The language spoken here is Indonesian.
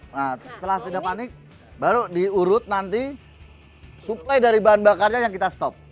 nah setelah tidak panik baru diurut nanti suplai dari bahan bakarnya yang kita stop